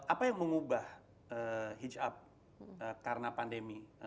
apa yang mengubah hitch up karena pandemi